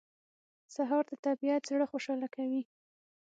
سهار د طبیعت زړه خوشاله کوي.